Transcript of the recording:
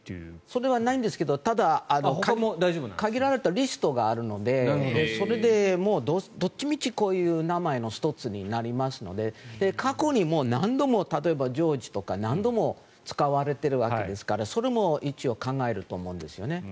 それはないんですけどただ、限られたリストがあるのでそれでどっちみちこういう名前の１つになりますので過去にも何度も例えば、ジョージとか何度も使われているわけですからそれも一応考えると思うんですよね。